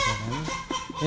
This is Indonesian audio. usaha punya gitu